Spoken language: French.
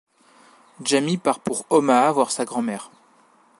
Jamie part pour Omaha voir sa grand-mère.